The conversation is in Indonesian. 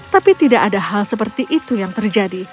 tapi tidak ada hal seperti itu yang terjadi